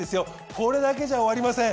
これだけじゃ終わりません。